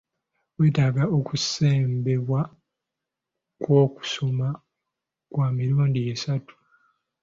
Weetaaga okusembebwa kw'okusoma kwa mirundi esatu.